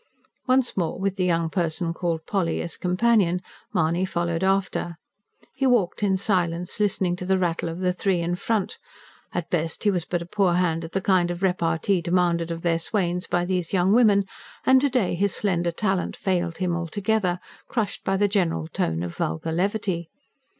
Once more with the young person called Polly as companion, Mahony followed after. He walked in silence, listening to the rattle of the three in front. At best he was but a poor hand at the kind of repartee demanded of their swains by these young women; and to day his slender talent failed him altogether, crushed by the general tone of vulgar levity.